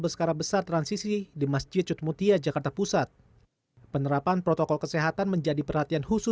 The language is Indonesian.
sebenarnya prosesi ibadah itu